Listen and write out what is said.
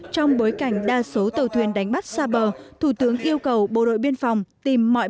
trong bối cảnh đa số tàu thuyền đánh bắt xa bờ thủ tướng yêu cầu bộ đội biên phòng tìm mọi